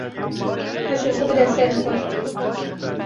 Hişê xwe bide serê xwe.